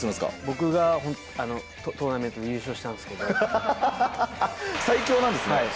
僕がトーナメントで優勝した最強なんですね。